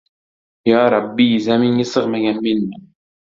Yo Rabbiy, zaminga sig‘magan menman